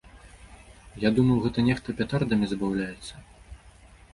Я думаў, гэта нехта петардамі забаўляецца.